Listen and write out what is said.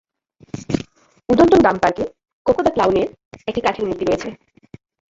উডনটন গ্রাম পার্কে 'Coco the clown' এর একটি কাঠের মূর্তি রয়েছে।